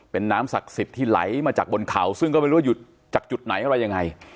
เป็นน้ำศักดิ์สิทธิ์ที่ไหลมาจากบนเขาซึ่งก็ไม่รู้ว่าหยุดจากจุดไหนอะไรยังไง